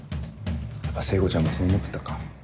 やっぱ聖子ちゃんもそう思ってたか。